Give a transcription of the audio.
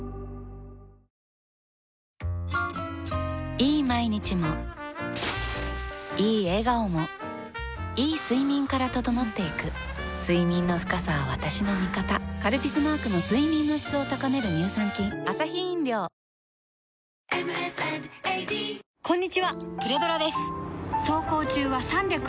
いい毎日もいい笑顔もいい睡眠から整っていく睡眠の深さは私の味方「カルピス」マークの睡眠の質を高める乳酸菌おケガはありませんか？